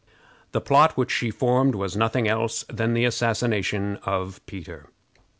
The plot which she formed was nothing else than the assassination of Peter.